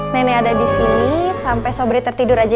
nenek ada di sini sampai sobri tertidur aja